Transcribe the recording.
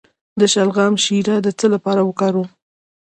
د شلغم شیره د څه لپاره وکاروم؟